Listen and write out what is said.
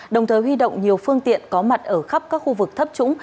đồng thời huy động nhiều phương tiện có mặt ở khắp các khu vực thấp trũng